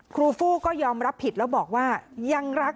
ครูฟู้ก็ยอมรับผิดแล้วบอกว่ายังรัก